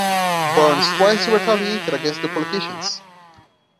Burns twice retaliated against the politicians.